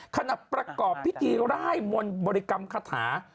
ขณะประกอบพิธีร่ายมนต์บริกรรมคาถา